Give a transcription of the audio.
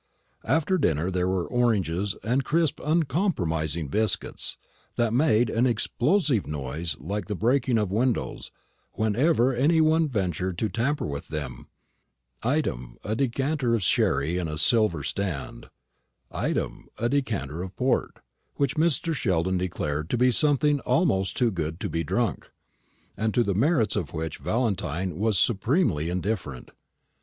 After dinner there were oranges and crisp uncompromising biscuits, that made an explosive noise like the breaking of windows whenever any one ventured to tamper with them; item, a decanter of sherry in a silver stand; item, a decanter of port, which Mr. Sheldon declared to be something almost too good to be drunk, and to the merits of which Valentine was supremely indifferent.